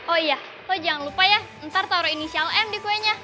oh iya oh jangan lupa ya ntar taruh inisial m di kuenya